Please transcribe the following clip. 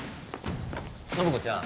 暢子ちゃん